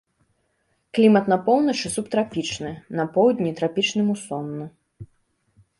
Клімат на поўначы субтрапічны, на поўдні трапічны мусонны.